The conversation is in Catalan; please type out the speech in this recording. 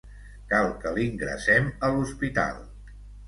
Cal que l'ingressem a l'hospital.